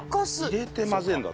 入れて混ぜるんだ。